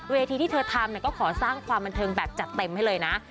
ที่เธอทำก็ขอสร้างความบันเทิงแบบจัดเต็มให้เลยนะ